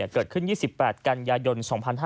เกิดขึ้น๒๘กันยายน๒๕๕๙